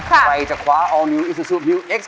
ใครจะคว้าออร์นิวอิซูซูบิวเอ็กซ